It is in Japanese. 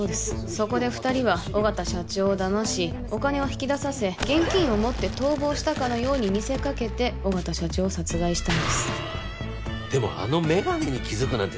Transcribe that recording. そこで二人は緒方社長を騙しお金を引き出させ現金を持って逃亡したかのように見せかけて緒方社長を殺害したんですでもあのメガネに気づくなんて